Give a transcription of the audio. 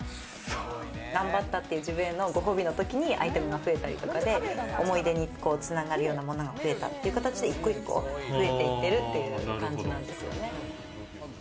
頑張ったっていう自分へのご褒美の時にアイテムが増えたりとか、思い出に繋がるようなものが増えたっていう形で１個１個増えていってるっていう感じなんですよね。